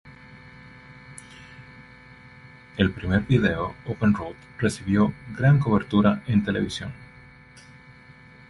El primer vídeo: "Open Road" recibió gran cobertura en televisión.